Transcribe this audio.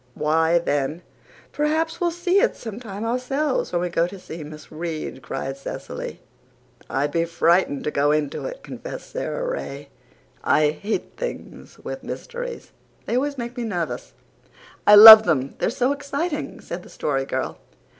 "Why, then, perhaps we'll see it some time ourselves, when we go to see Miss Reade," cried Cecily. "I'd be frightened to go into it," confessed Sara Ray. "I hate things with mysteries. They always make me nervous." "I love them. They're so exciting," said the Story Girl.